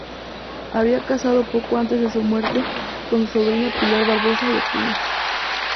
Había casado poco antes de su muerte con su sobrina Pilar Barbosa y Acuña.